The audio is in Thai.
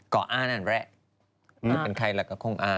ก่ออ้านั่นแหละถ้าเป็นใครล่ะก็คงอ้า